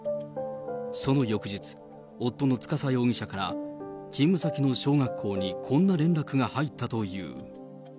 その翌日、夫の司容疑者から勤務先の小学校にこんな連絡が入ったという。